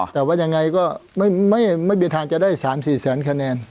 แต่ว่ายังไงก็ไม่มีทางจะได้๓๔แสนคะแนน